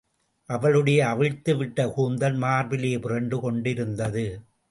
அவளுடைய அவிழ்த்துவிட்ட கூந்தல் மார்பிலே புரண்டு கொண்டிருந்தது.